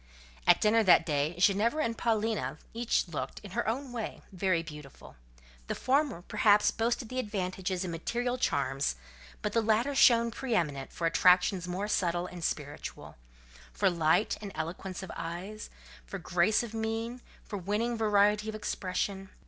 At dinner that day, Ginevra and Paulina each looked, in her own way, very beautiful; the former, perhaps, boasted the advantage in material charms, but the latter shone pre eminent for attractions more subtle and spiritual: for light and eloquence of eye, for grace of mien, for winning variety of expression.